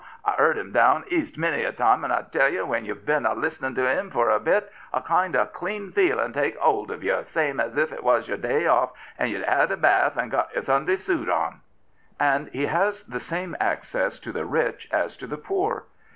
I've 'card 'im down East many a time, and I tell you, when you've been a listening to 'im for a bit, a kind of clean feeling takes 'old on you, same's if it was your day off, and you'd 'ad a bath and got your Sunday suit on." And he has the same access to the rich as to the poor.